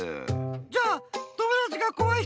じゃあ友だちがこわい